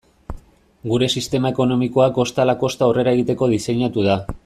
Gure sistema ekonomikoa kosta ala kosta aurrera egiteko diseinatu da.